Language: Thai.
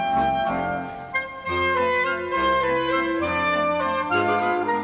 โปรดติดตามต่อไป